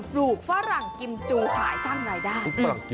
ปลูกสวรรค์กิมจูขายสร้างรายได้